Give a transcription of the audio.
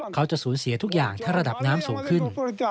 เขาจะสูญเสียทุกอย่างถ้าระดับน้ำสูงขึ้น